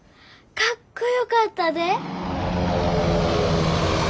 かっこよかったで。